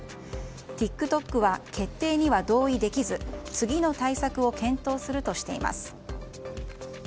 ＴｉｋＴｏｋは決定には同意できず次の対策を検討するとしています。